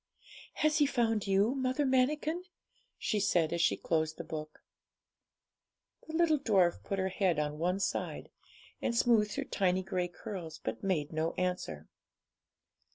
'Has he found you, Mother Manikin?' she said, as she closed the book. The little dwarf put her head on one side, and smoothed her tiny grey curls, but made no answer.